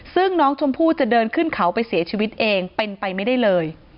ซึ่งน้องชมพู่จะเดินขึ้นเขาไปเสียชีวิตเองเป็นไปไม่ได้เลย